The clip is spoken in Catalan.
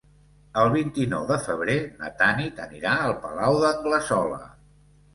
El vint-i-nou de febrer na Tanit anirà al Palau d'Anglesola.